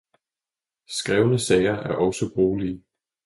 Skrevne sager er også brugelige.